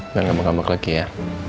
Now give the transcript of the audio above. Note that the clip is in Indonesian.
udah gak mau ngambek lagi ya